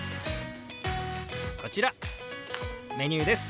こちらメニューです。